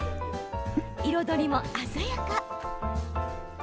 彩りも鮮やか。